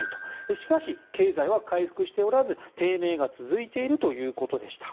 しかし、経済は回復しておらず低迷が続いているということでした。